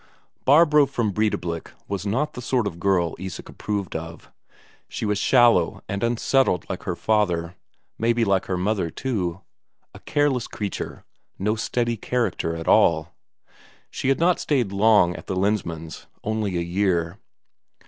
Barbro from Breidablik was not the sort of girl Isak approved of; she was shallow and unsettled like her father maybe like her mother too a careless creature, no steady character at all. She had not stayed long at the Lensmand's; only a year.